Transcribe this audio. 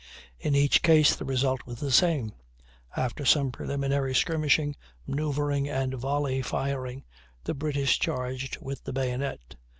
In each case the result was the same. After some preliminary skirmishing, manoeuvring, and volley firing, the British charged with the bayonet.